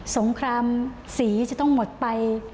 สงครามสีจะต้องหมดไป